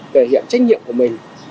thể hiện trách nhiệm của mình